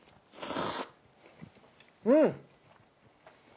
うん！